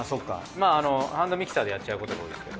まあハンドミキサーでやっちゃうことが多いですけど。